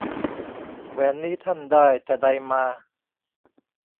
แหวนนี้ท่านได้ แต่ใดมา